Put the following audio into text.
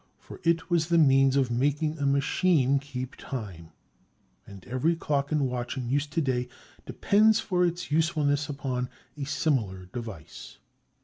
For it was the means of making a machine keep time. And every clock and watch in use to day depends for its usefulness upon a similar device.